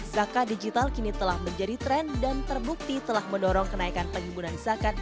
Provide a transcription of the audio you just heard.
zakat digital kini telah menjadi tren dan terbukti telah mendorong kenaikan penghiburan zakat